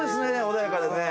穏やかでね